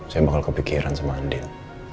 saya bakal kepikiran sama andin